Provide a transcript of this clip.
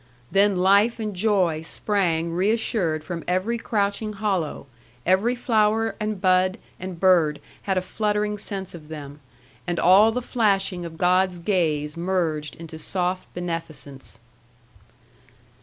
Then life and joy sprang reassured from every crouching hollow; every flower, and bud, and bird, had a fluttering sense of them; and all the flashing of God's gaze merged into soft beneficence.